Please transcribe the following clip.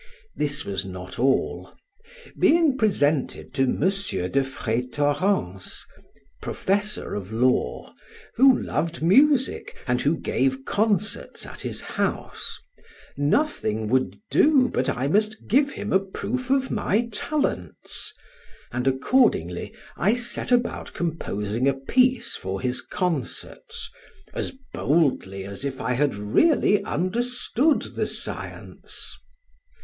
This was not all: being presented to Monsieur de Freytorens, professor of law, who loved music, and who gave concerts at his house, nothing would do but I must give him a proof of my talents, and accordingly I set about composing a piece for his concerts, as boldly as if I had really understood the science.